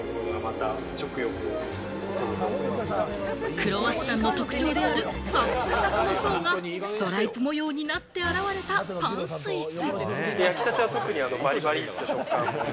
クロワッサンの特徴であるサクサクの層がストライプ模様になって現れたパンスイス。